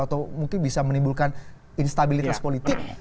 atau mungkin bisa menimbulkan instabilitas politik